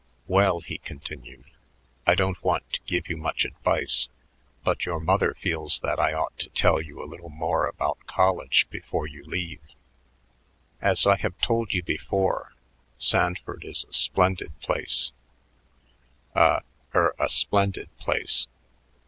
"Well," he continued, "I don't want to give you much advice, but your mother feels that I ought to tell you a little more about college before you leave. As I have told you before, Sanford is a splendid place, a er, a splendid place.